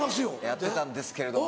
やってたんですけれども。